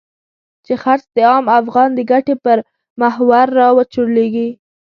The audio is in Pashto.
چې څرخ د عام افغان د ګټې پر محور را وچورليږي.